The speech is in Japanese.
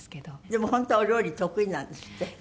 でも本当はお料理得意なんですって？